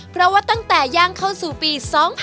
เพราะว่าตั้งแต่ย่างเข้าสู่ปี๒๕๕๙